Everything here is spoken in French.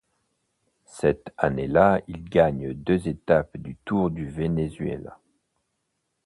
Cette année-là, il gagne deux étapes du Tour du Venezuela.